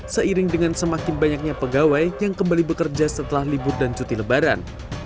seiring dengan semakin banyaknya pegawai yang kembali bekerja setelah libur dan cuti lebaran